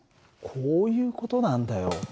こういう事なんだよ。